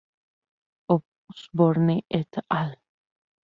Osborne "et al.